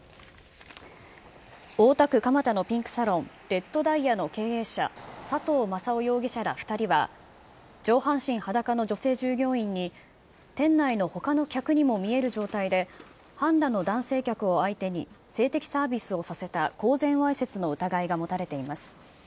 大田区蒲田のピンクサロン、レッドダイヤの経営者、佐藤正男容疑者ら２人は、上半身裸の女性従業員に、店内のほかの客にも見える状態で、半裸の男性客を相手に、性的サービスをさせた公然わいせつの疑いが持たれています。